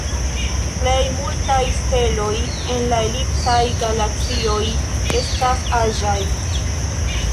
Plej multaj steloj en elipsaj galaksioj estas aĝaj.